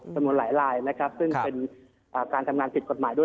จำนวนหลายลายนะครับซึ่งเป็นการทำงานผิดกฎหมายด้วย